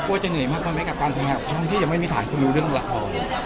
จะเหนื่อยมากกว่าไหมกับการทำงานของช่องที่ยังไม่มีฐานคุณรู้เรื่องละคร